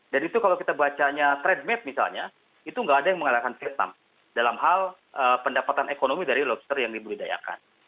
dan itu kalau kita bacanya trade map misalnya itu nggak ada yang mengalahkan vietnam dalam hal pendapatan ekonomi dari lobster yang dibudayakan